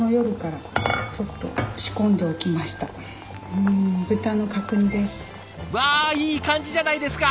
うわいい感じじゃないですか。